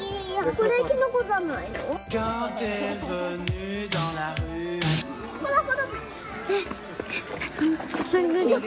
これきのこじゃないの？